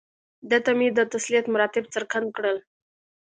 ده ته مې د تسلیت مراتب څرګند کړل.